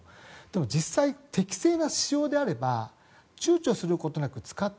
実際、適正な使用であればちゅうちょすることなく使って。